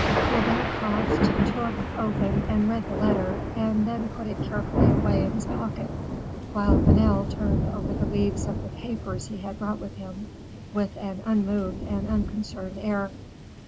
Colbert coughed, took, opened and read the letter, and then put it carefully away in his pocket, while Vanel turned over the leaves of the papers he had brought with him with an unmoved and unconcerned air.